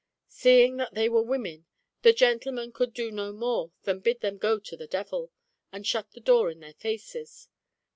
Seeing that they were women, the gentleman could do no more than bid them go to the devil, and shut the door in their faces.